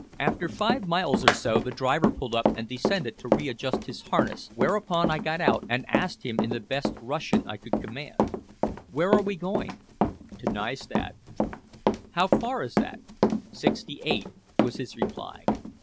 After five miles or so, the driver pulled up and descended to readjust his harness, whereupon I got out and asked him in the best Russian I could command: "Where are we going?" "To Nystad." "How far is that?" "Sixty eight," was his reply.